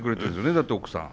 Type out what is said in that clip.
だって奥さん。